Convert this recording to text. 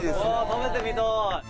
食べてみたい！